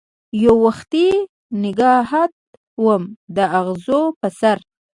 یووختي نګهت وم داغزو په سر